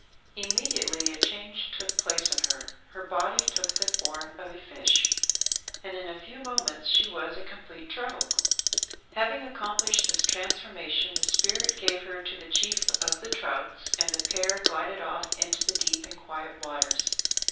Immediately a change took place in her. Her body took the form of a fish, and in a few moments she was a complete trout. Having accomplished this transformation the spirit gave her to the chief of the trouts, and the pair glided off into the deep and quiet waters.